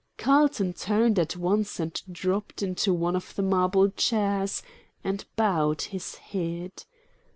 Carlton turned at once and dropped into one of the marble chairs and bowed his head.